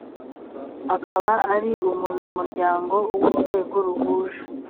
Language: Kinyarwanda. akaba ari umunyamuryango w urwego ruhuje